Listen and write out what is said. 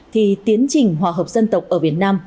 thì tiến trình hòa hợp dân tộc ở việt nam